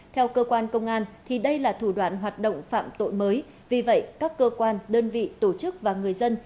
theo cơ quan công an đây là thủ đoạn hoạt động phạm tội mới vì vậy các cơ quan đơn vị tổ chức và người dân